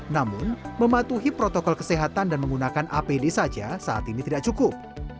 namun mematuhi protokol kesehatan dan menggunakan apd saja saat ini tidak cukup